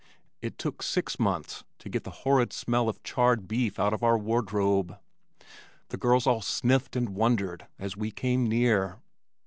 It took six months to get the horrid smell of charred beef out of our wardrobe. The girls all sniffed and wondered as we came near.